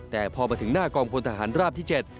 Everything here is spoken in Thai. แต่พอมาถึงหน้ากองพลทหารราบที่๗